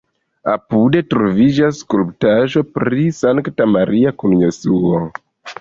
Apude troviĝas skulptaĵo pri Sankta Maria kun Jesuo.